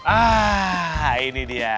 ah ini dia